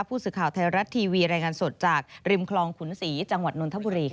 ผู้สื่อข่าวไทยรัฐทีวีรายงานสดจากริมคลองขุนศรีจังหวัดนนทบุรีค่ะ